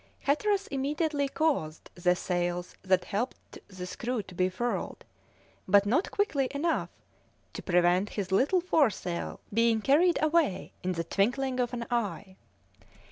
Hatteras immediately caused the sails that helped the screw to be furled, but not quickly enough to prevent his little foresail being carried away in the twinkling of an eye.